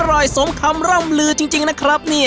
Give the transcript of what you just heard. อร่อยสมคำร่ำลือจริงนะครับเนี่ย